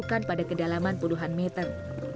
kedalaman puluhan meter